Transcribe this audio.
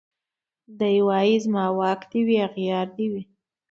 دی وايي زما واک دي وي اغيار دي وي